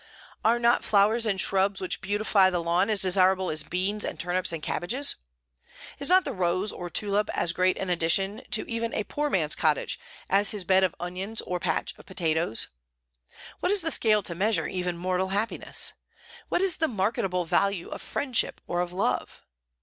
Are not flowers and shrubs which beautify the lawn as desirable as beans and turnips and cabbages? Is not the rose or tulip as great an addition to even a poor man's cottage as his bed of onions or patch of potatoes? What is the scale to measure even mortal happiness? What is the marketable value of friendship or of love?